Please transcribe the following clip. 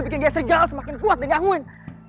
bikin gek serigala semakin kuat dan gangguin